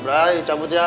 brai cabut ya